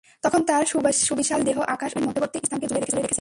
তখন তাঁর সুবিশাল দেহ আকাশ ও পৃথিবীর মধ্যবর্তী স্থানকে জুড়ে রেখেছিল।